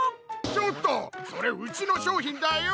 ちょっとそれうちのしょうひんだよ！